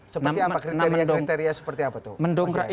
seperti apa kriteria kriteria seperti apa tuh